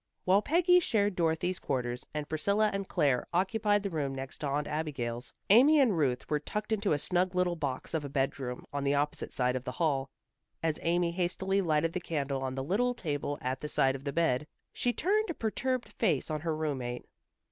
While Peggy shared Dorothy's quarters, and Priscilla and Claire occupied the room next to Aunt Abigail's, Amy and Ruth were tucked into a snug little box of a bedroom on the opposite side of the hall. As Amy hastily lighted the candle on the little table at the side of the bed, she turned a perturbed face on her roommate.